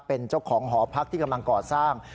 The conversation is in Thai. เป็นเจ้าของหอพักที่กำลังก่อสร้าง